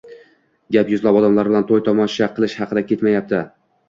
Gap yuzlab odamlar bilan toʻy-tomosha qilish haqida ketmayapti.